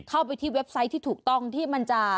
เข้าไปที่เว็บไซต์ที่ถูกต้องที่มันจะ